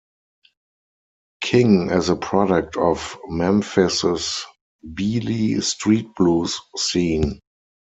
King as a product of Memphis's Beale Street blues scene.